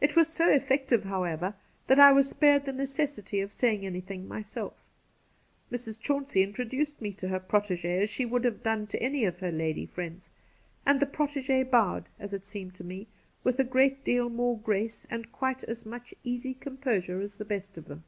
It was so effective, however, that I was spared the necessity of saying anything myself Mrs. Chauncey introduced me to her protegee as she would have done to any of her lady friends, and the protegee bowed, as it seemed to me, with a great deal more grace and quite as much easy Cassidy 145 composure as the best of them.